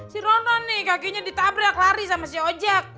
si ron ron nih kakinya ditabrak lari sama si ojak